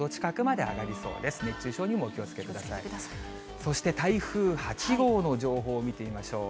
そして台風８号の情報を見てみましょう。